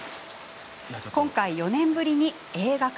今回、４年ぶりに映画化。